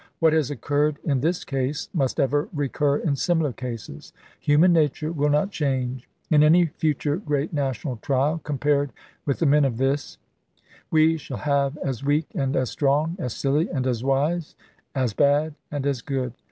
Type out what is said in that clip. What has occurred in this case must ever recur in similar cases. Human nature will not change. In any future great national trial, com pared with the men of this, we shall have as weak and as strong, as silly and as wise, as bad and as good.